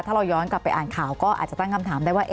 ถ้าเราย้อนกลับไปอ่านข่าวก็อาจจะตั้งคำถามได้ว่า